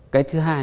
cái thứ hai